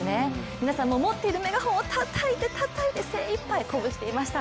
皆さんも持っているメガホンをたたいてたたいて、精いっぱい鼓舞していました。